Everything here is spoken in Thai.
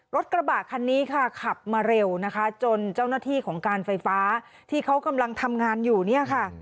รถกระบะคันนี้ค่ะขับมาเร็วนะคะจนเจ้าหน้าที่ของการไฟฟ้าที่เขากำลังทำงานอยู่เนี่ยค่ะ